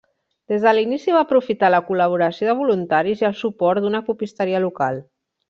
Des de l'inici va aprofitar la col·laboració de voluntaris i el suport d'una copisteria local.